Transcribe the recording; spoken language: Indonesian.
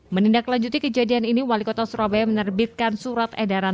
menindaklanjuti kejadian ini wali kota surabaya menerbitkan surat edaran